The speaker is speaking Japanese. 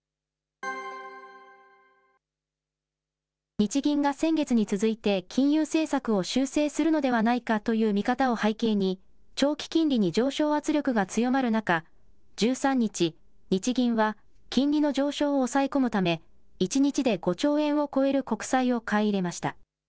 日銀が先月に続いて金融政策を修正するのではないかという見方を背景に、長期金利に上昇圧力が強まる中、１３日、日銀は金利の上昇を抑え込むため、１日で５兆円を超える国債を買い入れました。